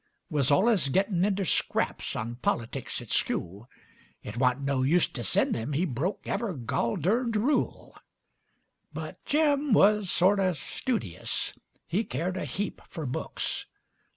Wuz allus gettin' inter scraps On politicks at skule; It wa'n't no use to send 'im, He broke ever' gol durned rule. But Jim wuz sort o' studious; He keered a heap fer books.